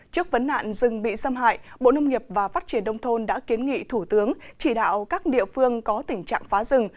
trước vấn nạn rừng bị xâm hại bộ nông nghiệp và phát triển đông thôn đã kiến nghị thủ tướng chỉ đạo các địa phương có tình trạng phá rừng